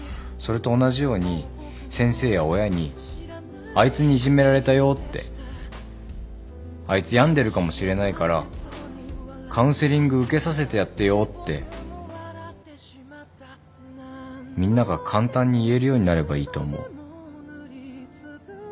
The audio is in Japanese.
それと同じように先生や親に「あいつにいじめられたよ」って「あいつ病んでるかもしれないからカウンセリング受けさせてやってよ」ってみんなが簡単に言えるようになればいいと思う。